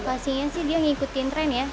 inovasinya sih dia mengikutin tren ya